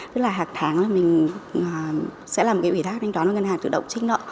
tức là hàng tháng là mình sẽ làm cái ủy thác thanh toán vào ngân hàng tự động trích nợ